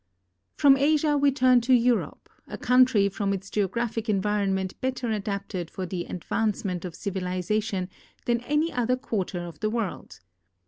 From Asia we turn to Europe, a country from its geographic environment better adapted for the advancement of Q,W\\\z?dj\on than an}^ other quarter of the world.